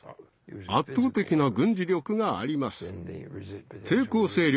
圧倒的な軍事力があります。